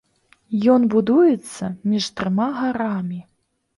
Ён будуецца між трыма гарамі.